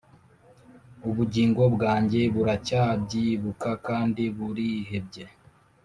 Ubugingo bwanjye buracyabyibuka, Kandi burihebye.